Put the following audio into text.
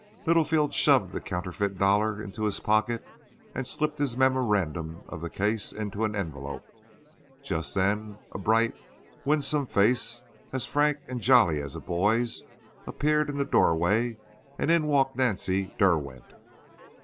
Littlefield shoved the counterfeit dollar into his pocket, and slipped his memoranda of the case into an envelope. Just then a bright, winsome face, as frank and jolly as a boy's, appeared in the doorway, and in walked Nancy Derwent.